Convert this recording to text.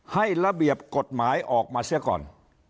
ให้ระเบียบกฎหมายออกมาเสียก่อน